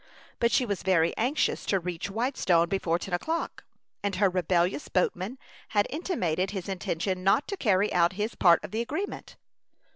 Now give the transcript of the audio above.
But she was very anxious to reach Whitestone before ten o'clock, and her rebellious boatman had intimated his intention not to carry out his part of the agreement.